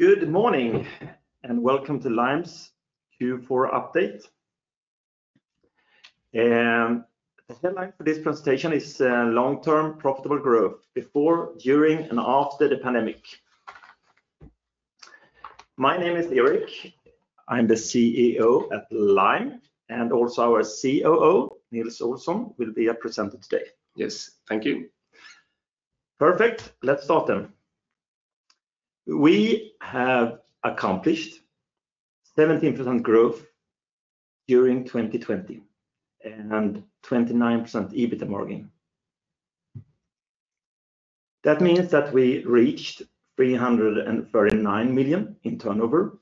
Good morning, welcome to Lime's Q4 update. The headline for this presentation is Long-term profitable growth before, during and after the pandemic. My name is Erik. I'm the CEO at Lime and also our COO, Nils Olsson, will be a presenter today. Yes. Thank you. Perfect. Let's start then. We have accomplished 17% growth during 2020 and 29% EBITDA margin. That means that we reached 339 million in turnover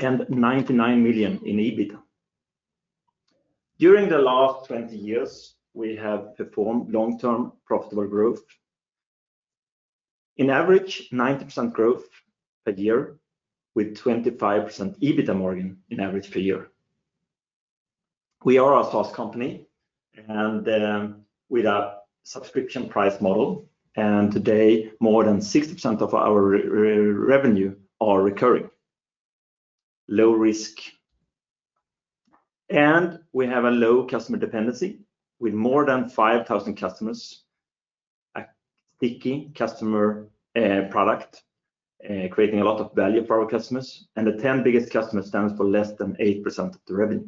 and 99 million in EBITDA. During the last 20 years, we have performed long-term profitable growth. In average, 90% growth per year with 25% EBITDA margin in average per year. We are a SaaS company with a subscription price model, today more than 60% of our revenue are recurring. Low risk. We have a low customer dependency with more than 5,000 customers. A sticky customer product, creating a lot of value for our customers. The 10 biggest customers stands for less than 8% of the revenue.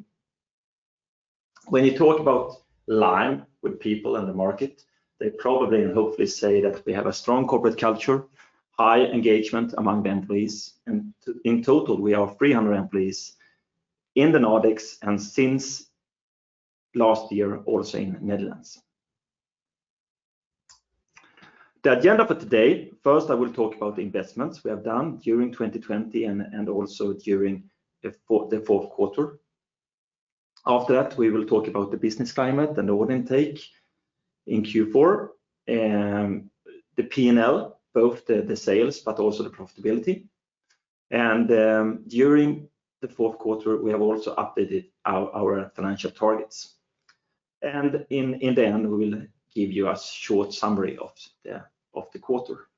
When you talk about Lime with people in the market, they probably and hopefully say that we have a strong corporate culture, high engagement among the employees, and in total, we are 300 employees in the Nordics and since last year, also in Netherlands. The agenda for today. First, I will talk about the investments we have done during 2020 and also during the fourth quarter. After that, we will talk about the business climate and the order intake in Q4. The P&L, both the sales, but also the profitability. During the fourth quarter, we have also updated our financial targets. In the end, we will give you a short summary of the quarter.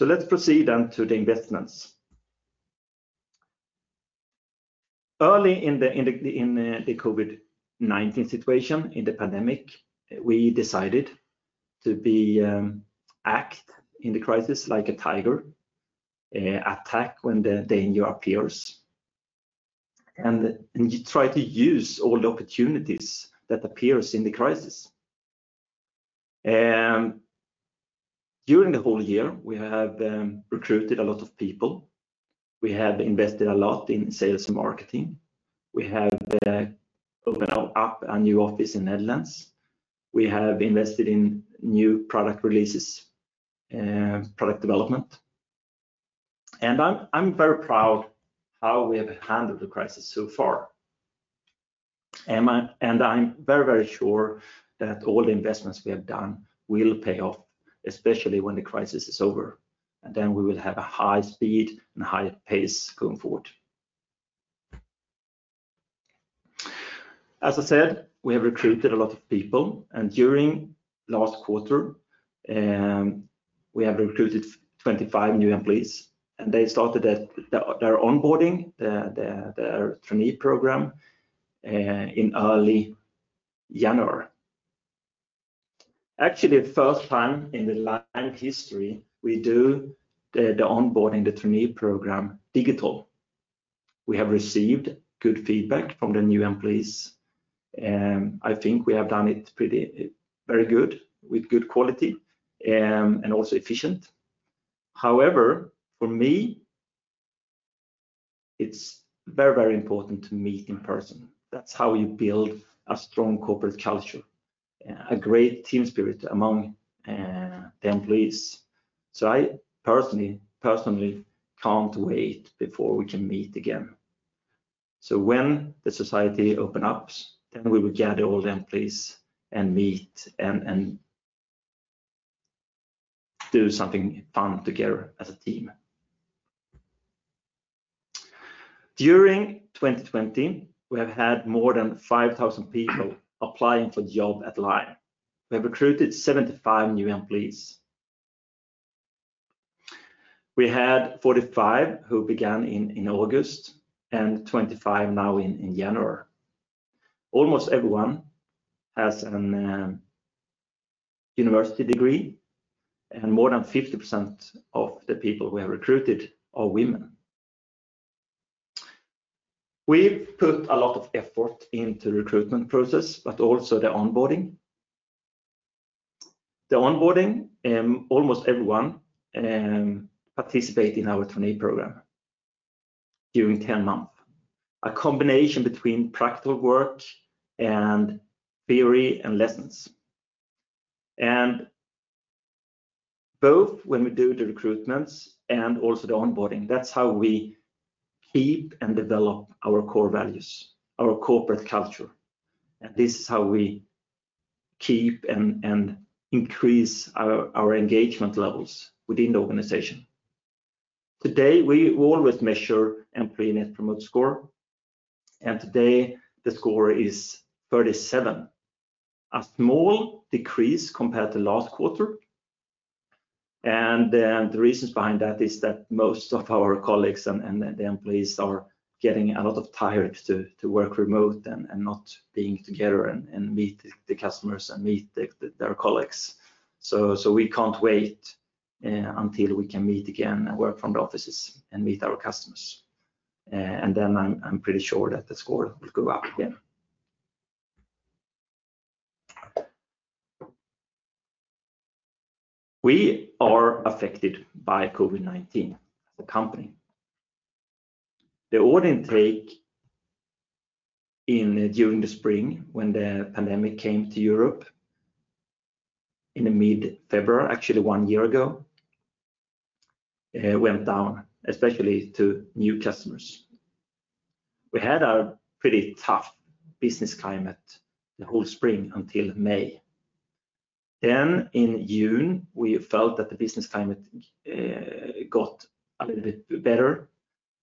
Let's proceed then to the investments. Early in the COVID-19 situation in the pandemic, we decided to act in the crisis like a tiger, attack when the danger appears, and try to use all the opportunities that appears in the crisis. During the whole year, we have recruited a lot of people. We have invested a lot in sales and marketing. We have opened up a new office in Netherlands. We have invested in new product releases and product development. I'm very proud how we have handled the crisis so far. I'm very sure that all the investments we have done will pay off, especially when the crisis is over, and then we will have a high speed and high pace going forward. As I said, we have recruited a lot of people, and during last quarter, we have recruited 25 new employees, and they started their onboarding, their trainee program, in early January. Actually, the first time in the Lime history we do the onboarding, the trainee program digital. We have received good feedback from the new employees. I think we have done it very good with good quality and also efficient. However, for me, it's very important to meet in person. That's how you build a strong corporate culture, a great team spirit among the employees. I personally can't wait before we can meet again. When the society opens up, then we will gather all the employees and meet and do something fun together as a team. During 2020, we have had more than 5,000 people applying for job at Lime. We have recruited 75 new employees. We had 45 who began in August and 25 now in January. Almost everyone has an university degree and more than 50% of the people we have recruited are women. We've put a lot of effort into recruitment process, but also the onboarding. The onboarding, almost everyone participate in our trainee program during 10 month. A combination between practical work and theory and lessons. Both when we do the recruitments and also the onboarding, that's how we keep and develop our core values, our corporate culture. This is how we keep and increase our engagement levels within the organization. Today, we always measure Employee Net Promoter Score, and today the score is 37. A small decrease compared to last quarter. The reasons behind that is that most of our colleagues and the employees are getting a lot of tired to work remote and not being together and meet the customers and meet their colleagues. We can't wait until we can meet again and work from the offices and meet our customers. I'm pretty sure that the score will go up again. We are affected by COVID-19 as a company. The order intake during the spring when the pandemic came to Europe in the mid-February, actually one year ago, went down, especially to new customers. We had a pretty tough business climate the whole spring until May. In June, we felt that the business climate got a little bit better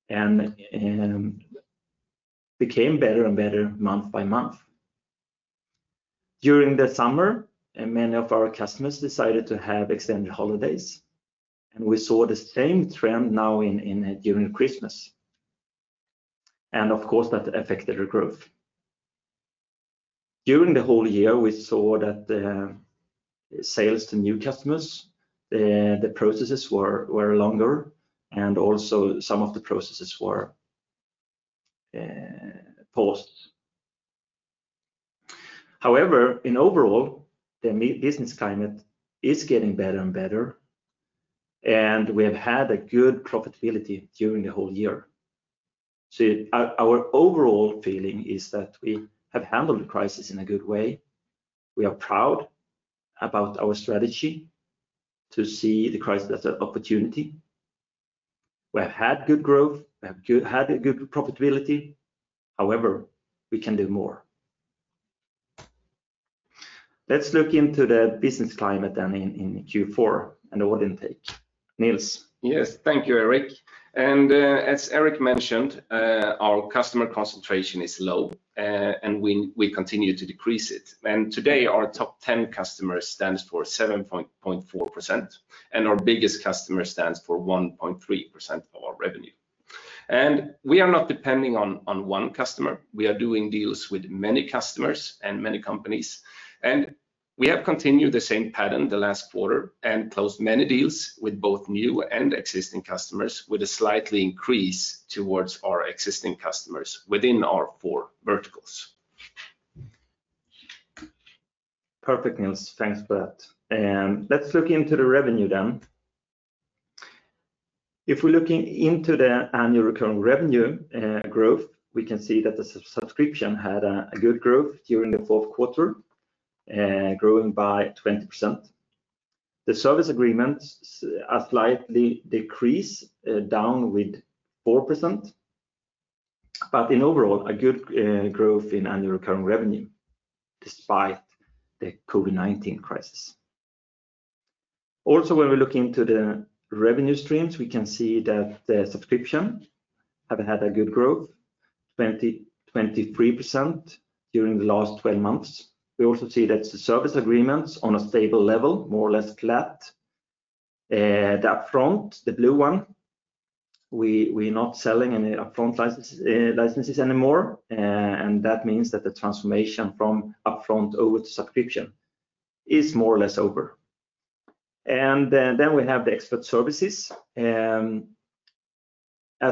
and became better and better month by month. During the summer, many of our customers decided to have extended holidays, and we saw the same trend now during Christmas. Of course, that affected our growth. During the whole year, we saw that the sales to new customers, the processes were longer, and also some of the processes were paused. However, in overall, the business climate is getting better and better, and we have had good profitability during the whole year. Our overall feeling is that we have handled the crisis in a good way. We are proud about our strategy to see the crisis as an opportunity. We have had good growth. We have had a good profitability. However, we can do more. Let's look into the business climate then in Q4 and order intake. Nils? Yes. Thank you, Erik. As Erik mentioned, our customer concentration is low, and we continue to decrease it. Today, our top 10 customers stands for 7.4%, and our biggest customer stands for 1.3% of our revenue. We are not depending on one customer. We are doing deals with many customers and many companies. We have continued the same pattern the last quarter and closed many deals with both new and existing customers, with a slightly increase towards our existing customers within our four verticals. Perfect, Nils. Thanks for that. Let's look into the revenue. If we're looking into the annual recurring revenue growth, we can see that the subscription had a good growth during the fourth quarter, growing by 20%. The service agreements are slightly decrease, down with 4%. In overall, a good growth in annual recurring revenue despite the COVID-19 crisis. Also, when we look into the revenue streams, we can see that the subscription have had a good growth, 23% during the last 12 months. We also see that the service agreements on a stable level, more or less flat. The upfront, the blue one, we're not selling any upfront licenses anymore, and that means that the transformation from upfront over to subscription is more or less over. We have the expert services. As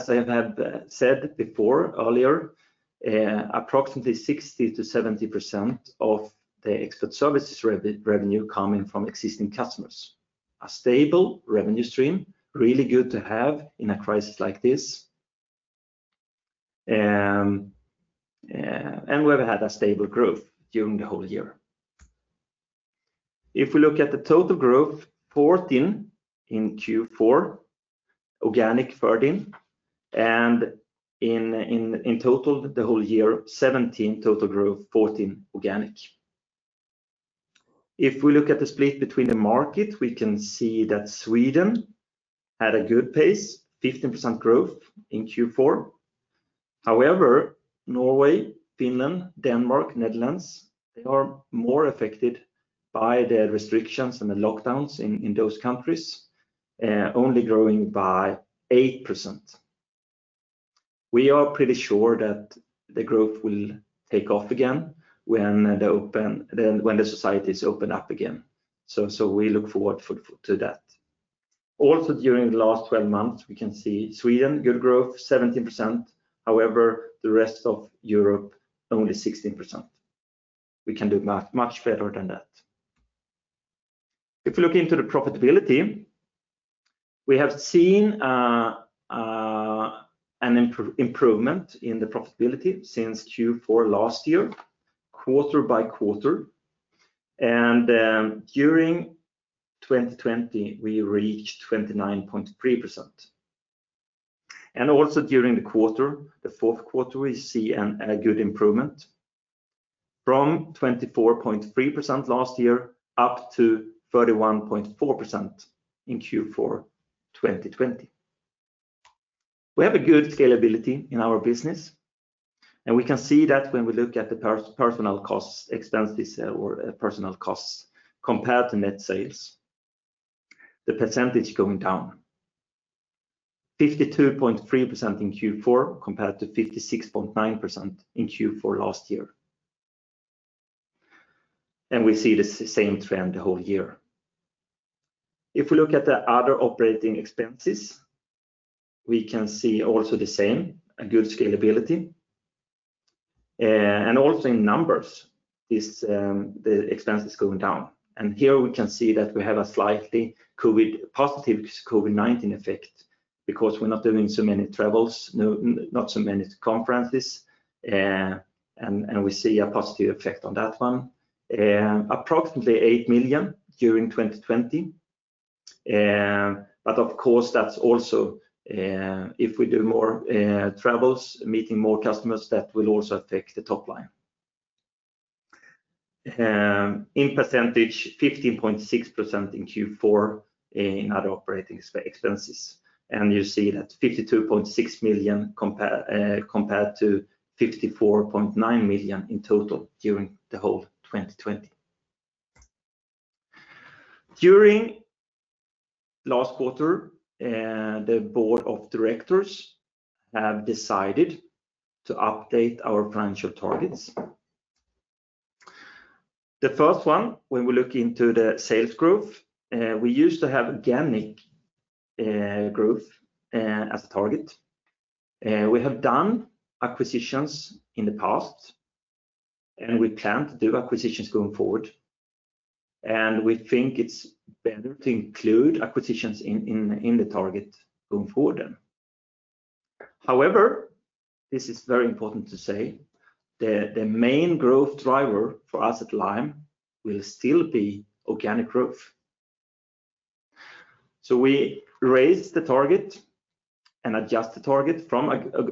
I have said before earlier, approximately 60%-70% of the expert services revenue coming from existing customers. A stable revenue stream, really good to have in a crisis like this. We have had a stable growth during the whole year. If we look at the total growth, 14% in Q4, organic 13%. In total, the whole year, 17% total growth, 14% organic. If we look at the split between the market, we can see that Sweden had a good pace, 15% growth in Q4. However, Norway, Finland, Denmark, Netherlands, they are more affected by the restrictions and the lockdowns in those countries, only growing by 8%. We are pretty sure that the growth will take off again when the societies open up again. We look forward to that. Also, during the last 12 months, we can see Sweden, good growth, 17%. The rest of Europe, only 16%. We can do much better than that. If you look into the profitability, we have seen an improvement in the profitability since Q4 last year, quarter by quarter. During 2020, we reached 29.3%. Also during the quarter, Q4, we see a good improvement from 24.3% last year up to 31.4% in Q4 2020. We have a good scalability in our business, and we can see that when we look at the personnel costs, expenses, or personnel costs compared to net sales, the percentage going down 52.3% in Q4 compared to 56.9% in Q4 last year. We see this same trend the whole year. If we look at the other operating expenses, we can see also the same, a good scalability. Also in numbers, the expenses going down. Here we can see that we have a slightly positive COVID-19 effect because we're not doing so many travels, not so many conferences, and we see a positive effect on that one. Approximately 8 million during 2020. Of course, that's also if we do more travels, meeting more customers, that will also take the top line. In 15.6% in Q4 in other operating expenses. You see that 52.6 million compared to 54.9 million in total during the whole 2020. During last quarter, the board of directors have decided to update our financial targets. The first one, when we look into the sales growth, we used to have organic growth as a target. We have done acquisitions in the past, and we plan to do acquisitions going forward. We think it's better to include acquisitions in the target going forward then. However, this is very important to say, the main growth driver for us at Lime will still be organic growth. We raised the target and adjust the target from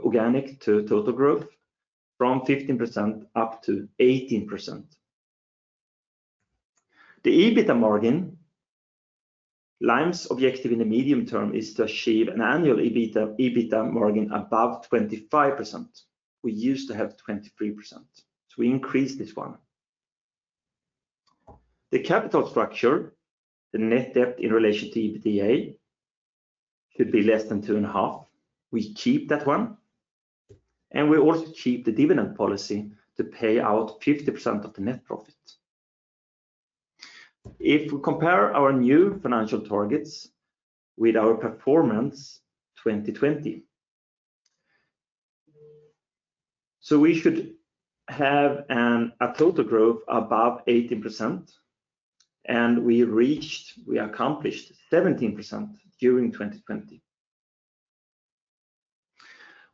organic to total growth from 15% up to 18%. The EBITDA margin, Lime's objective in the medium term is to achieve an annual EBITDA margin above 25%. We used to have 23%, so we increased this one. The capital structure, the net debt in relation to EBITDA, could be less than 2.5. We keep that one, and we also keep the dividend policy to pay out 50% of the net profit. If we compare our new financial targets with our performance 2020. We should have a total growth above 18%, and we accomplished 17% during 2020.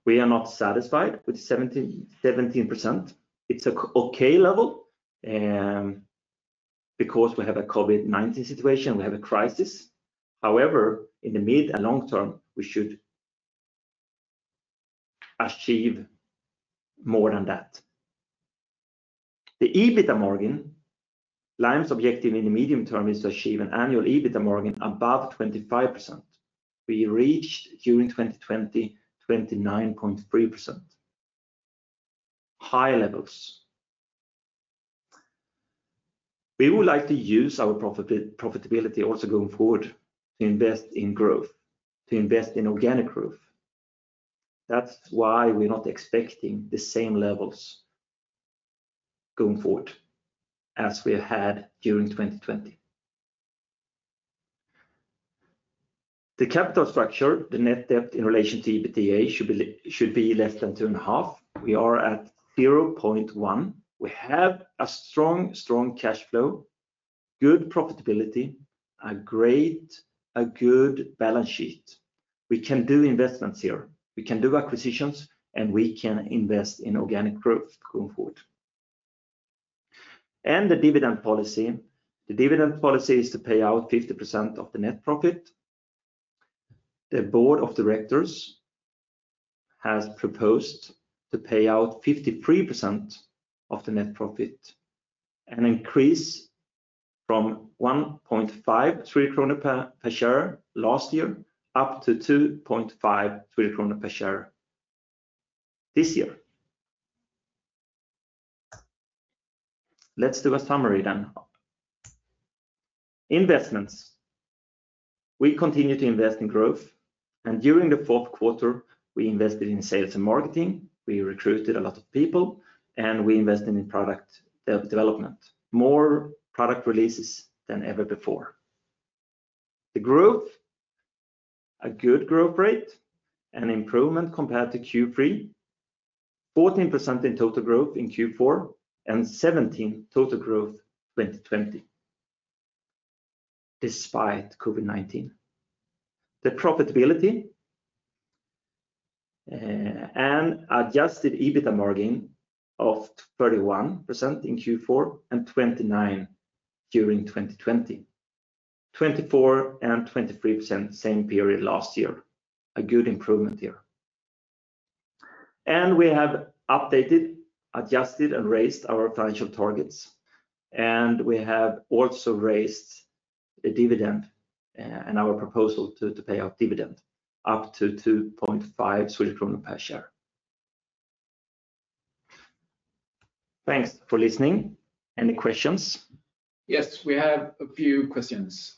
We are not satisfied with 17%. It's an okay level because we have a COVID-19 situation, we have a crisis. However, in the mid and long term, we should achieve more than that. The EBITDA margin, Lime's objective in the medium term is to achieve an annual EBITDA margin above 25%. We reached, during 2020, 29.3%. High levels. We would like to use our profitability also going forward to invest in growth, to invest in organic growth. That's why we're not expecting the same levels going forward as we had during 2020. The capital structure, the net debt in relation to EBITDA, should be less than 2.5. We are at 0.1. We have a strong cash flow, good profitability, a good balance sheet. We can do investments here. We can do acquisitions, we can invest in organic growth going forward. The dividend policy. The dividend policy is to pay out 50% of the net profit. The board of directors has proposed to pay out 53% of the net profit, an increase from 1.53 krona per share last year up to 2.53 krona per share this year. Let's do a summary then. Investments. We continue to invest in growth, and during the fourth quarter, we invested in sales and marketing, we recruited a lot of people, and we invested in product development. More product releases than ever before. The growth, a good growth rate, an improvement compared to Q3, 14% in total growth in Q4 and 17% total growth 2020 despite COVID-19. The profitability, an adjusted EBITDA margin of 31% in Q4 and 29% during 2020. 24% and 23% same period last year. A good improvement here. We have updated, adjusted, and raised our financial targets, and we have also raised a dividend and our proposal to pay out dividend up to 2.5 Swedish kronor per share. Thanks for listening. Any questions? Yes, we have a few questions.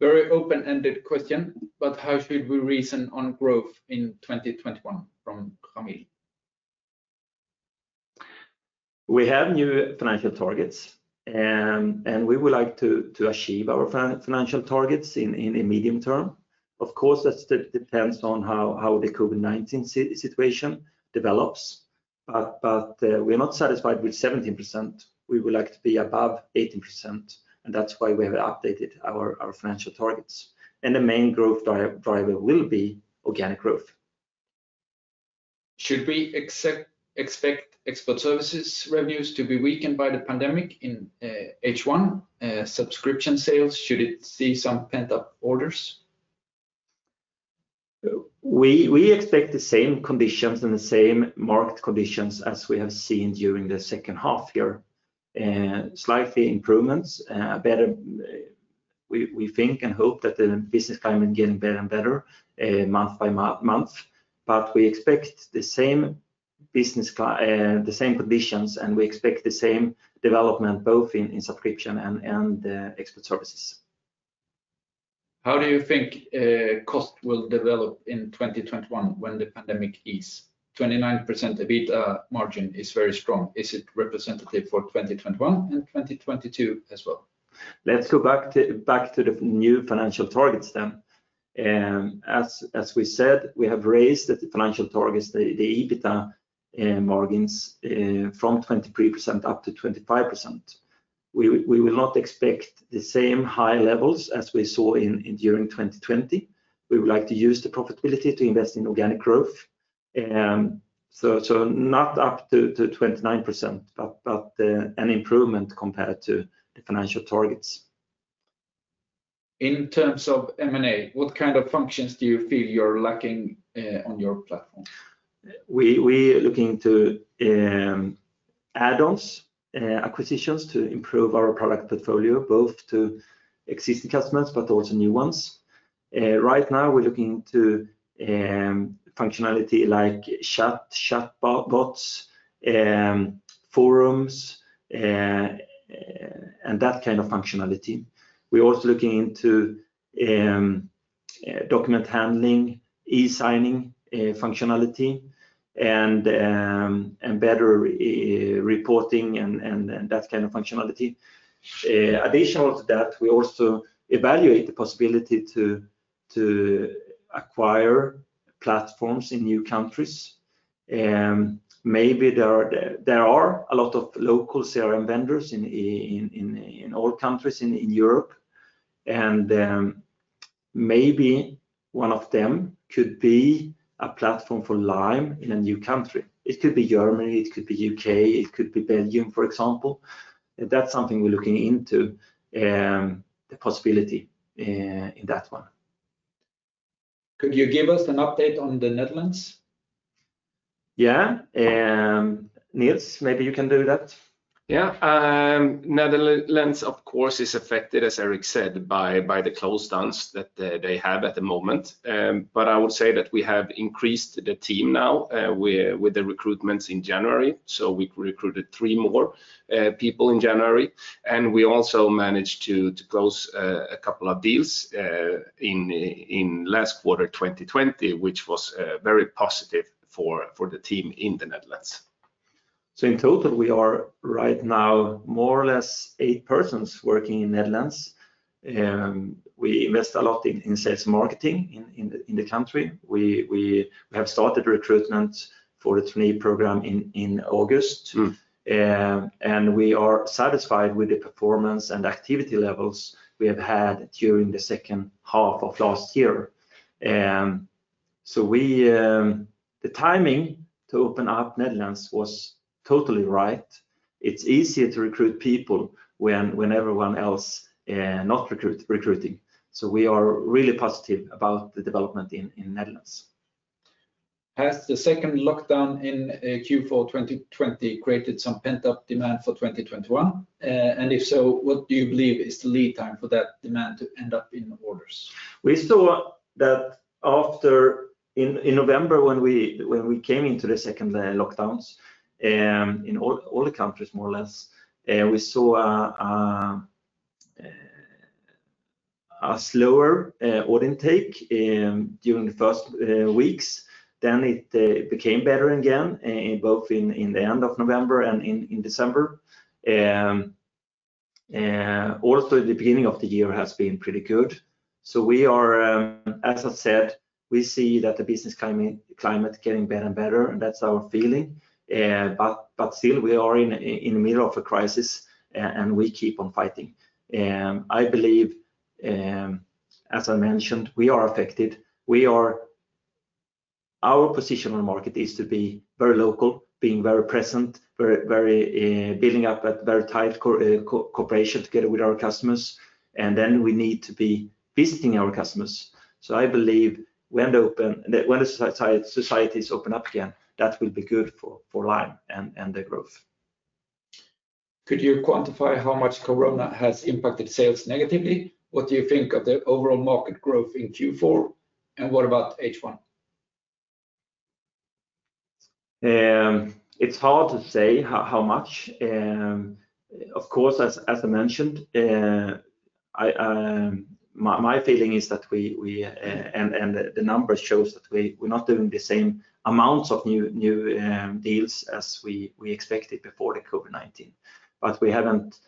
Very open-ended question, but how should we reason on growth in 2021? From Camille. We have new financial targets, and we would like to achieve our financial targets in the medium term. Of course, that depends on how the COVID-19 situation develops. We're not satisfied with 17%. We would like to be above 18%, and that's why we have updated our financial targets, and the main growth driver will be organic growth. Should we expect expert services revenues to be weakened by the pandemic in H1? Subscription sales, should it see some pent-up orders? We expect the same conditions and the same market conditions as we have seen during the second half year. Slight improvements. We think and hope that the business climate getting better and better month by month. We expect the same conditions, and we expect the same development, both in subscription and the expert services. How do you think cost will develop in 2021 when the pandemic ease? 29% EBITDA margin is very strong. Is it representative for 2021 and 2022 as well? Let's go back to the new financial targets then. As we said, we have raised the financial targets, the EBITDA margins, from 23% up to 25%. We will not expect the same high levels as we saw during 2020. We would like to use the profitability to invest in organic growth. Not up to 29%, but an improvement compared to the financial targets. In terms of M&A, what kind of functions do you feel you're lacking on your platform? We are looking to add-ons, acquisitions to improve our product portfolio, both to existing customers but also new ones. Right now, we're looking to functionality like chatbots, forums, and that kind of functionality. We're also looking into document handling, e-signing functionality, and better reporting and that kind of functionality. Additional to that, we also evaluate the possibility to acquire platforms in new countries. There are a lot of local CRM vendors in all countries in Europe, and maybe one of them could be a platform for Lime in a new country. It could be Germany, it could be U.K., it could be Belgium, for example. That's something we're looking into, the possibility in that one. Could you give us an update on the Netherlands? Yeah. Nils, maybe you can do that. Yeah. Netherlands, of course, is affected, as Erik said, by the closedowns that they have at the moment. I would say that we have increased the team now with the recruitments in January, so we recruited three more people in January. We also managed to close a couple of deals in last quarter 2020, which was very positive for the team in the Netherlands. In total, we are right now more or less eight persons working in Netherlands. We invest a lot in sales marketing in the country. We have started recruitment for a trainee program in August. We are satisfied with the performance and activity levels we have had during the second half of last year. The timing to open up Netherlands was totally right. It's easier to recruit people when everyone else not recruiting. We are really positive about the development in Netherlands. Has the second lockdown in Q4 2020 created some pent-up demand for 2021? If so, what do you believe is the lead time for that demand to end up in orders? We saw that in November, when we came into the second lockdowns, in all the countries, more or less, we saw a slower order intake during the first weeks. It became better again, both in the end of November and in December. Also, the beginning of the year has been pretty good. As I said, we see that the business climate getting better and better, and that's our feeling. Still we are in the middle of a crisis, and we keep on fighting. I believe, as I mentioned, we are affected. Our position on the market is to be very local, being very present, building up a very tight cooperation together with our customers, and then we need to be visiting our customers. I believe when the societies open up again, that will be good for Lime and the growth. Could you quantify how much COVID-19 has impacted sales negatively? What do you think of the overall market growth in Q4? What about H1? It's hard to say how much. As I mentioned, my feeling is, and the numbers show, that we're not doing the same amounts of new deals as we expected before the COVID-19. We haven't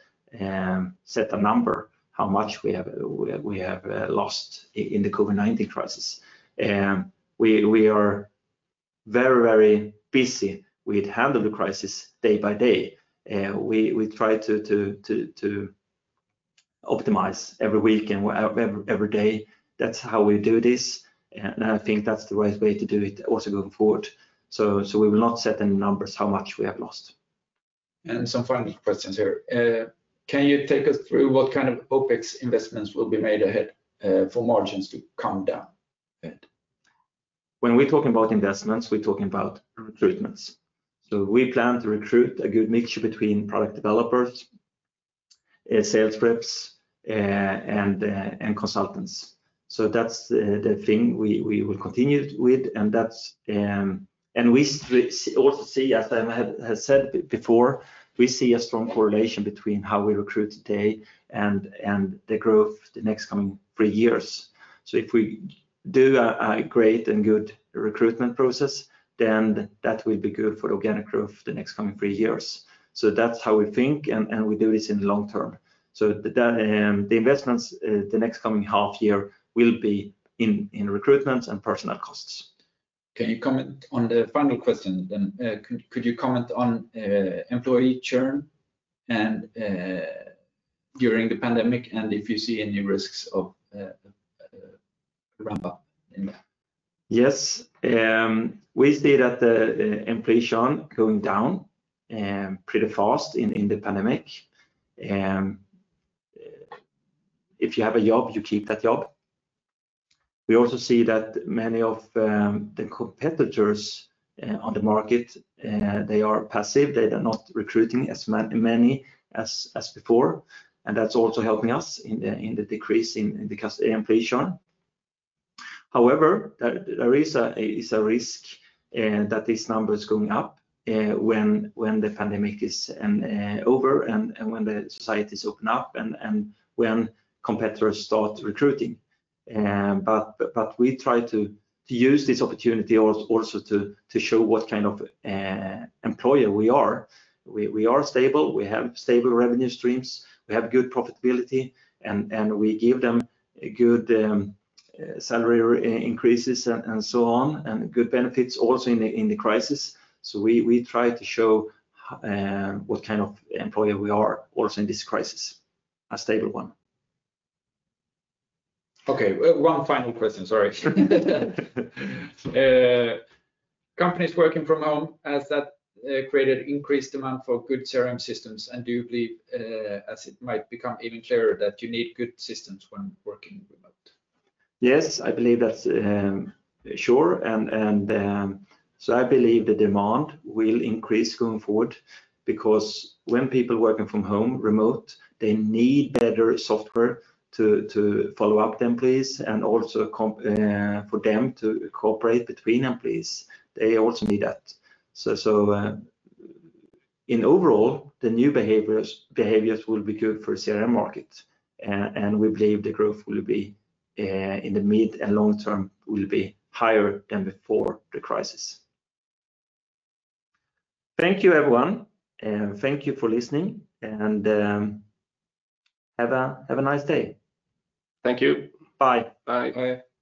set a number how much we have lost in the COVID-19 crisis. We are very busy with handling the crisis day by day. We try to optimize every week and every day. That's how we do this, and I think that's the right way to do it also going forward. We will not set any numbers how much we have lost. Some final questions here. Can you take us through what kind of OpEx investments will be made ahead for margins to come down? When we're talking about investments, we're talking about recruitments. We plan to recruit a good mixture between product developers, sales reps, and consultants. That's the thing we will continue with. We also see, as I have said before, we see a strong correlation between how we recruit today and the growth the next coming three years. If we do a great and good recruitment process, then that will be good for organic growth the next coming three years. That's how we think and we do this in the long term. The investments the next coming half year will be in recruitment and personal costs. Can you comment on the final question then? Could you comment on employee churn during the pandemic and if you see any risks of ramp up in that? Yes. We see that the employee churn going down pretty fast in the pandemic. If you have a job, you keep that job. We also see that many of the competitors on the market, they are passive. They are not recruiting as many as before. That's also helping us in the decrease in the employee churn. However, there is a risk that this number is going up when the pandemic is over and when the societies open up and when competitors start recruiting. We try to use this opportunity also to show what kind of employer we are. We are stable. We have stable revenue streams, we have good profitability. We give them good salary increases and so on, and good benefits also in the crisis. We try to show what kind of employer we are also in this crisis, a stable one. Okay. One final question, sorry. Companies working from home, has that created increased demand for good CRM systems? Do you believe, as it might become even clearer, that you need good systems when working remote? Yes, I believe that's sure. I believe the demand will increase going forward because when people working from home remote, they need better software to follow up employees and also for them to cooperate between employees. They also need that. In overall, the new behaviors will be good for CRM market, and we believe the growth will be, in the mid and long term, will be higher than before the crisis. Thank you, everyone. Thank you for listening, and have a nice day. Thank you. Bye. Bye. Bye.